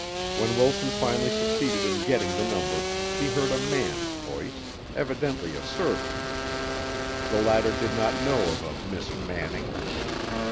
When Wilson finally succeeded in getting the number, he heard a man's voice, evidently a servant. The latter did not know of a Miss Manning.